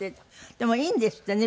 でもいいんですってね